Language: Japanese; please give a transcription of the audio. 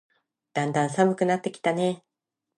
だんだん寒くなってきたね。